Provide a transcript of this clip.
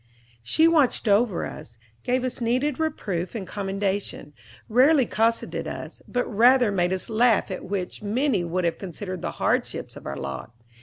She watched over us, gave us needed reproof and commendation, rarely cosseted us, but rather made us laugh at what many would have considered the hardships of our lot.